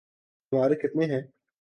ہمارے کتنے ہیں۔